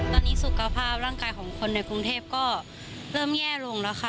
ตอนนี้สุขภาพร่างกายของคนในกรุงเทพก็เริ่มแย่ลงแล้วค่ะ